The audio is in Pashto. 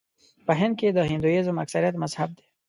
په هند کې د هندويزم اکثریت مذهب دی.